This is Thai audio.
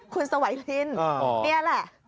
คุณสวัยลินนี่แหละ